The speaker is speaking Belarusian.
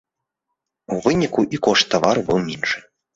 У выніку і кошт тавару быў меншы.